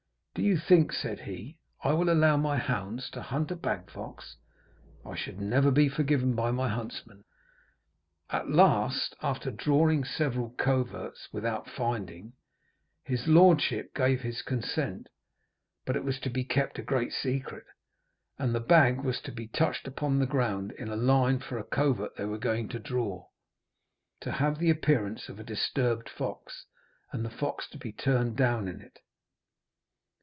'Do you think,' said he, 'I will allow my hounds to hunt a bag fox? I should never be forgiven by my huntsman!' At last, after drawing several coverts without finding, his Lordship gave his consent (but it was to be kept a great secret), and the bag was to be touched upon the ground in a line for a covert they were going to draw, to have the appearance of a disturbed fox, and the fox to be turned down in it.